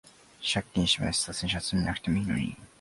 借金してまでスター選手集めなくてもいいのに